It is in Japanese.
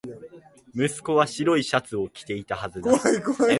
息子は白いシャツを着ていたはずだ